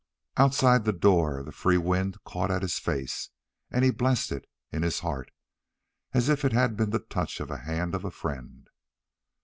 Outside the door the free wind caught at his face, and he blessed it in his heart, as if it had been the touch of the hand of a friend.